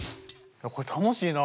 これ楽しいな。